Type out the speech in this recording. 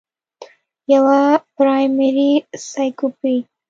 يوه پرائمري سايکوپېت